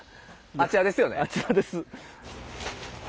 あちらです。